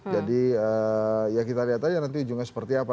ya kita lihat aja nanti ujungnya seperti apa